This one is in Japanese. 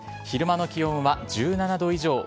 昼間の気温は１７度以上。